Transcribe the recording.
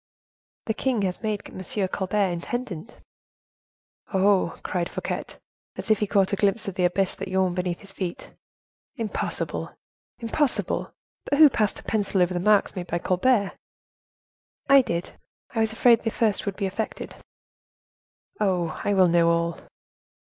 "The king has made M. Colbert intendant." "Oh!" cried Fouquet, as if he caught a glimpse of the abyss that yawned beneath his feet, "impossible! impossible! But who passed a pencil over the marks made by Colbert?" "I did. I was afraid the first would be effaced." "Oh! I will know all."